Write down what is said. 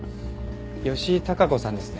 吉井貴子さんですね？